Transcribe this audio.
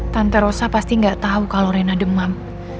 tante rosa pasti nggak tahu kalau rena demam